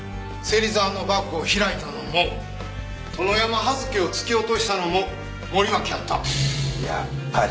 芹沢のバッグを開いたのも殿山葉月を突き落としたのも森脇やった。